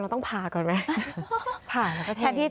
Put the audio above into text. ต้องผ่าก่อนไหม